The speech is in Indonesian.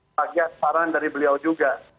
bagian sebarang dari beliau juga